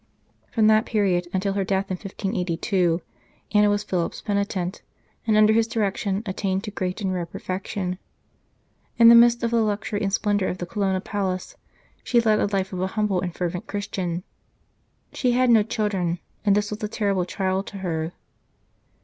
From that period until her death in 1582, Anna was Philip s penitent, and under his direction attained to great and rare perfection. In the midst of the luxury and splendour of the Colonna palace, she led a life of a humble and fervent 37 St. Charles Borromeo Christian. She had no children, and this was a terrible trial to her.